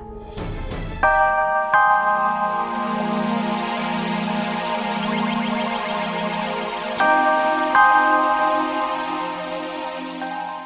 jodi ngebeli bengkelnya om deden